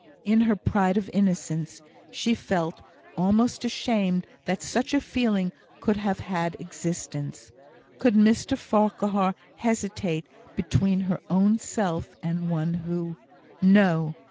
In her pride of innocence, she felt almost ashamed that such a feeling could have had existence. Could Mr Farquhar hesitate between her own self and one who No!